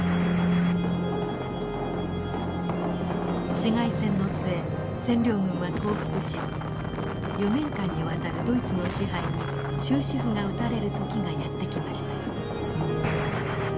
市街戦の末占領軍は降伏し４年間にわたるドイツの支配に終止符が打たれる時がやって来ました。